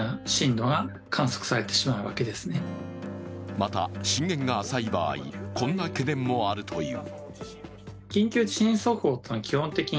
また震源が浅い場合、こんな懸念もあるという。